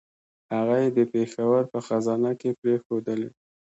هغه یې د پېښور په خزانه کې پرېښودلې.